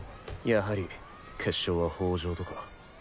やはり決勝は法城とか。